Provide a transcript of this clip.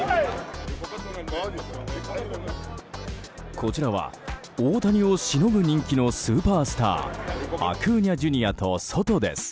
こちらは大谷をしのぐ人気のスーパースターアクーニャＪｒ．とソトです。